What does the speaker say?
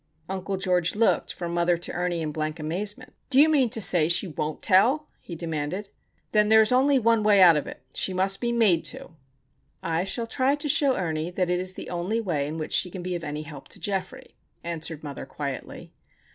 Uncle George looked from mother to Ernie in blank amazement. "Do you mean to say she won't tell?" he demanded. "Then there is only one way out of it. She must be made to." "I shall try to show Ernie that it is the only way in which she can be of any help to Geoffrey," answered mother, quietly.